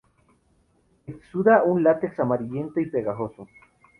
Exuda un látex amarillento y pegajoso.